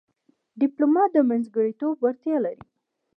ډيپلومات د منځګړیتوب وړتیا لري.